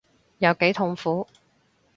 有幾痛苦